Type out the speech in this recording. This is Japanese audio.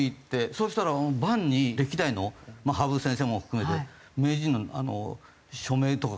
そしたら盤に歴代の羽生先生も含めて名人の署名とかが入っていて。